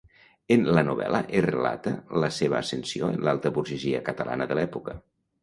En la novel·la es relata la seva ascensió en l'alta burgesia catalana de l'època.